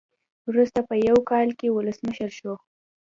وروسته په یو کال کې ولسمشر شو.